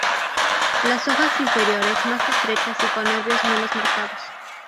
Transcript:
Las hojas inferiores más estrechas y con nervios menos marcados.